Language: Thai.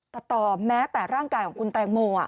ต่อแม้แต่ร่างกายของคุณแตงโม